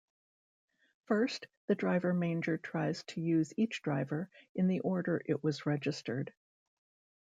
First the DriverManager tries to use each driver in the order it was registered.